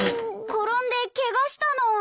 転んでケガしたの。